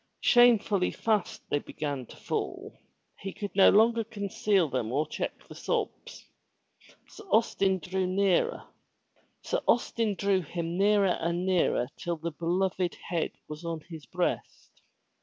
Shamefully fast they began to fall. He could no longer conceal them or check the sobs. Sir Austin drew him nearer and nearer till the beloved head was on his breast.